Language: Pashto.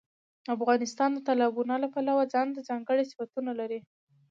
افغانستان د تالابونو له پلوه ځانته ځانګړي صفتونه لري.